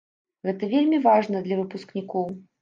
Гэта вельмі важна для выпускнікоў.